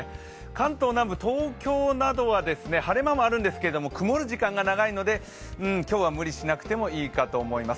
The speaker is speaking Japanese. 関東南部、東京などは晴れ間もあるんですけれども曇る時間が長いので、今日は無理しなくてもいいかなと思います。